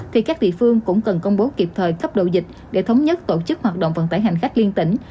thì các địa phương cũng cần công bố kịp thời cấp độ dịch để thống nhất tổ chức hoạt động vận tải hành khách liên tỉnh